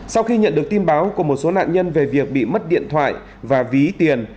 sau khi nhận được tin báo của một số nạn nhân về việc bị mất điện thoại và ví tiền